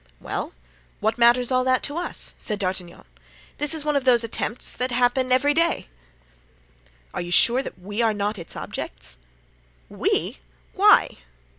"Well, what matters all that to us?" said D'Artagnan. "This is one of those attempts that happen every day." "Are you sure that we are not its objects?" "We? Why?"